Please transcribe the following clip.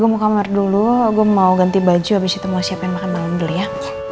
gue mau kamar dulu aku mau ganti baju habis itu mau siapin makan malam dulu ya